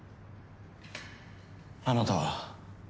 あなたは？